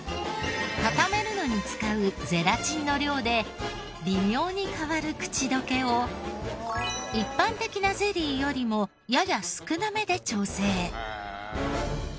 固めるのに使うゼラチンの量で微妙に変わる口溶けを一般的なゼリーよりもやや少なめで調整。